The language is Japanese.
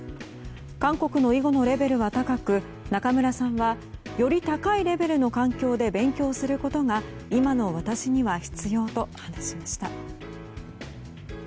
韓国の囲碁のレベルは高く仲邑さんはより高いレベルの環境で勉強することが今の私には必要と話しました。